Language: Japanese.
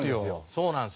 そうなんですよ。